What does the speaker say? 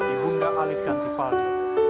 ibunda alif dan tifaldi